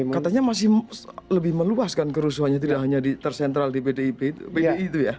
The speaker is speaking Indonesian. katanya masih lebih meluas kan kerusuhannya tidak hanya tersentral di pdi itu ya